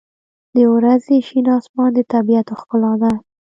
• د ورځې شین آسمان د طبیعت ښکلا ده.